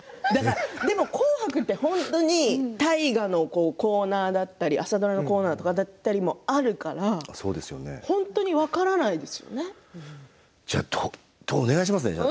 「紅白」って大河のコーナーだったり朝ドラのコーナーだったりあるからじゃあお願いしますね。